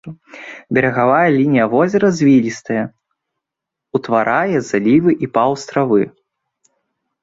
Берагавая лінія возера звілістая, утварае залівы і паўастравы.